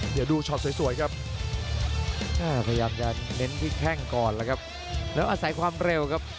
เดี๋ยวดูช็อตสวยครับ